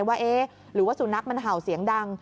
ว่าเอ๊ะหรือว่าสุนัขมันเห่าเสียงดัง